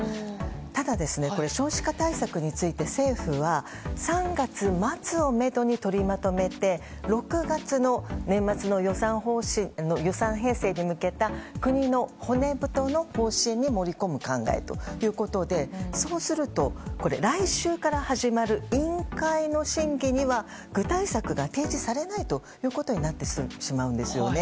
ただ、少子化対策について政府は３月末をめどに取りまとめて６月の年末の予算編成に向けた国の骨太の方針に盛り込む考えということでそうすると来週から始まる委員会の審議には具体策が提示されないということになってしまうんですよね。